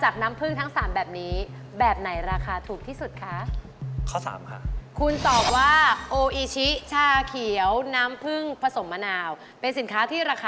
คาตัดอันนี้ออกไประหว่าง๒อันนี้ค่ะ